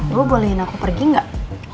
lo bolehin aku pergi nggak